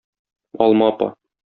Алма апа.